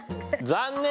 残念。